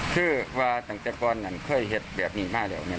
คือว่าตั้งแต่ก่อนนั้นเคยเห็นแบบนี้มาแล้วเนี่ย